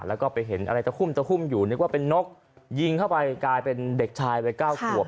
แล้วก็ไปเห็นอะไรตะคุ่มตะคุ่มอยู่นึกว่าเป็นนกยิงเข้าไปกลายเป็นเด็กชายวัยเก้าขวบ